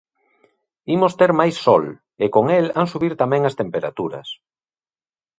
Imos ter máis sol, e con el han subir tamén as temperaturas.